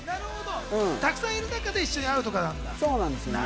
たくさんいる中で一緒に会うとかなんだね。